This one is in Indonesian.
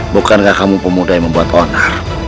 bukankah kamu pemuda yang membuat onar